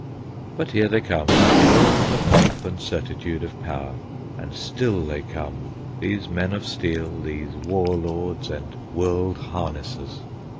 But here they come, in all the pomp and certitude of power, and still they come, these men of steel, these war lords and world harnessers.